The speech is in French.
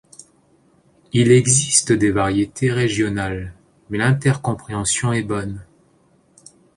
Il existe des variétés régionales, mais l'intercompréhension est bonne.